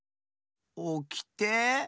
おきて？